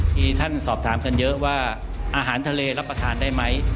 มีท่านสอบถามกันเยอะว่าอาหารทะเลรับประทานได้ไหม